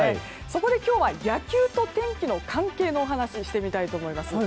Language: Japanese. そこで今日は野球と天気の関係のお話をしてみたいと思います。